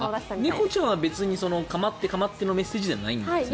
猫ちゃんは構って、構ってのメッセージじゃないんですね。